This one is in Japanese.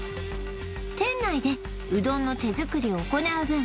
店内でうどんの手作りを行う分